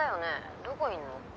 どこいんの？